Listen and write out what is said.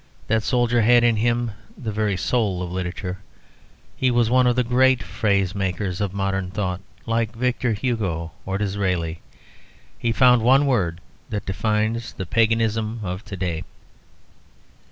That soldier had in him the very soul of literature; he was one of the great phrase makers of modern thought, like Victor Hugo or Disraeli. He found one word that defines the paganism of to day.